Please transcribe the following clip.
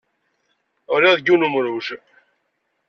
Ɣliɣ deg yiwen n umruj.